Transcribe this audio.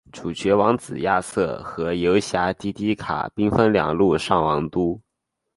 主角王子亚瑟与游侠迪迪卡兵分两路上王都。